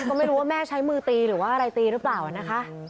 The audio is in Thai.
ก็ไม่รู้ว่าแม่ใช้มือตีหรือว่าอะไรตีหรือเปล่านะคะ